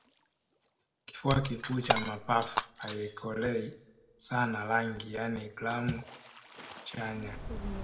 kifua kikuu cha mapafu haikolei sana rangi yaani gramu chanya